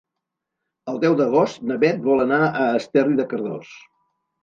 El deu d'agost na Beth vol anar a Esterri de Cardós.